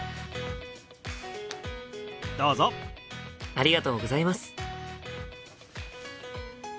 ありがとうございます。